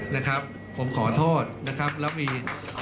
นะครับผมขอโทษนะครับแล้วมี